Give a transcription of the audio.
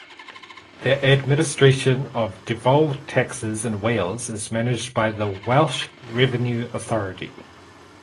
The administration of devolved taxes in Wales is managed by the Welsh Revenue Authority.